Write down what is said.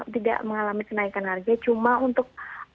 tidak mengalami kenaikan harga cuma untuk